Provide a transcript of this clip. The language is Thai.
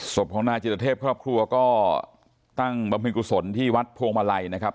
ศพของนายจิตเทพครอบครัวก็ตั้งบำเพ็ญกุศลที่วัดพวงมาลัยนะครับ